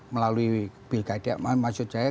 melalui bkida maksud saya